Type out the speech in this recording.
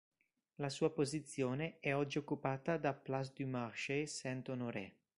La sua posizione è oggi occupata da Place du Marché-Saint-Honoré.